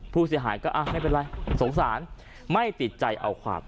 ผู้เสียหายก็ไม่เป็นไรสงสารไม่ติดใจเอาความ